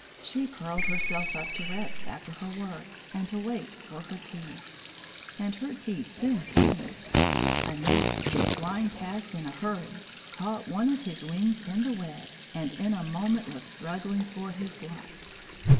She curled herself up to rest after her work and to wait for her tea. And her tea soon came. A gnat came flying past in a hurry, caught one of his wings in the web, and in a moment was struggling for his life.